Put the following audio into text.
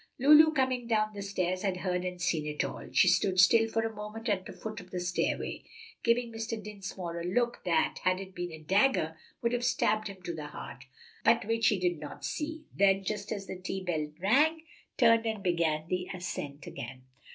Lulu, coming down the stairs, had heard and seen it all. She stood still for a moment at the foot of the stairway, giving Mr. Dinsmore a look that, had it been a dagger, would have stabbed him to the heart, but which he did not see; then, just as the tea bell rang, turned and began the ascent again.